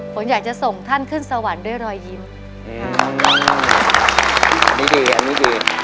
ฝนอยากจะส่งท่านขึ้นสวรรค์ด้วยรอยยิ้มค่ะนี่ดี